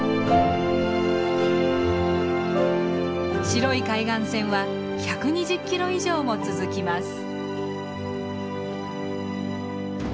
白い海岸線は１２０キロ以上も続きます。